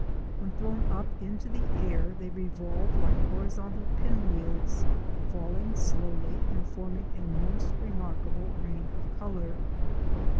When thrown up into the air they revolve like horizontal pin wheels, falling slowly and forming a most remarkable rain of color.